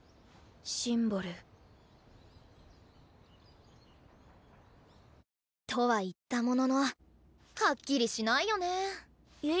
シンボル。とは言ったもののはっきりしないよねえ。